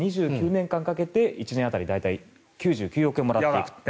２９年間かけて１年当たり大体９９億円もらっていく。